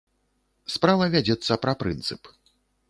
Справа вядзецца пра прынцып.